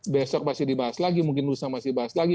besok masih dibahas lagi mungkin lusa masih bahas lagi